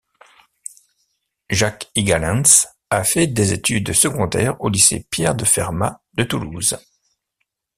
Jacques Igalens a fait des études secondaires au lycée Pierre-de-Fermat de Toulouse.